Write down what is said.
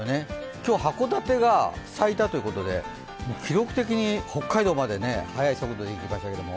今日、函館が咲いたということで記録的に、北海道まで早い速度でいきましたけど。